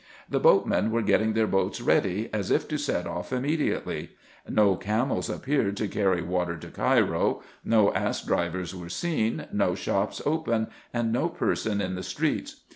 The boatmen were getting their boats ready, as if to set off immediately. No camels appeared IN EGYPT, NUBIA, &c. 9 to carry water to Cairo ; no ass drivers were seen ; no shops open ; and no person in the streets.